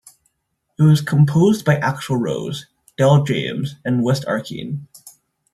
It was composed by Axl Rose, Del James and West Arkeen.